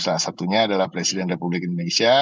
salah satunya adalah presiden republik indonesia